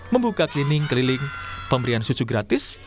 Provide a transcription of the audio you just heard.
membuka cleaning keliling pemberian susu gratis